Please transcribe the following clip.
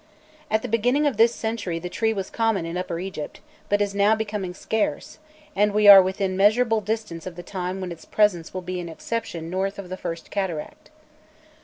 At the beginning of this century the tree was common in Upper Egypt, but it is now becoming scarce, and we are within measurable distance of the time when its presence will be an exception north of the first cataract.